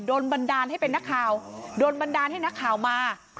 บันดาลให้เป็นนักข่าวโดนบันดาลให้นักข่าวมา